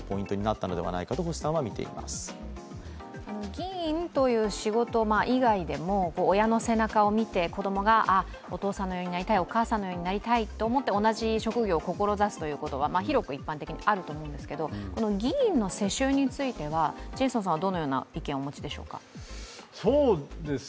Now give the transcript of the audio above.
議員という仕事以外でも、親の背中を見て子供がお父さんのようになりたい、お母さんのようになりたいと思って同じ職業を志すことは広く一般的にあると思うんですけど、議員の世襲についてはジェイソンさんはどのような意見をお持ちでしょうか。